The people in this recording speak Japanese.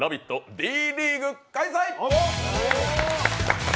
Ｄリーグ開催。